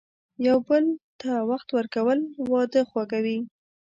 یو بل ته وخت ورکول، واده خوږوي.